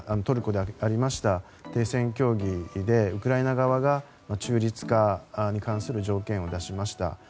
トルコでありました停戦協議でウクライナ側が中立化に関する条件を出しました。